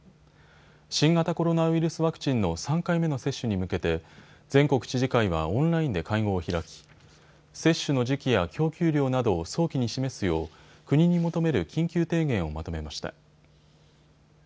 新型コロナウイルスワクチンの３回目の接種に向けて全国知事会はオンラインで会合を開き接種の時期や供給量などを早期に示すよう国に求める緊急提言をまとめました。